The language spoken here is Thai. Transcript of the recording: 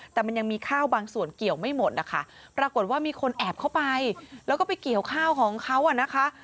แต่มันยังมีข้าวบางส่วนเกี่ยวไม่หมดนะคะปรากฏว่ามีคนแอบเข้าไปแล้วก็ไปเกี่ยวข้าวของเขาอ่ะนะคะ